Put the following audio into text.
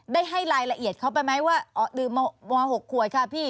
ได้ให้รายละเอียดเขาไปไหมว่าดื่มม๖ขวดค่ะพี่